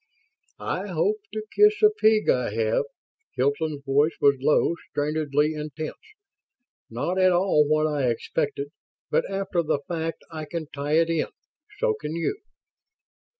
"I hope to kiss a pig I have!" Hilton's voice was low, strainedly intense. "Not at all what I expected, but after the fact I can tie it in. So can you."